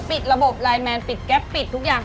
ปิดระบบไลน์แมนปิดแก๊ปปิดทุกอย่าง